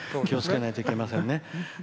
気をつけないといけませんね。